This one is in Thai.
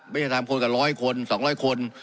ไม่ยังทำงานกับร้อยคนสองร้อยคน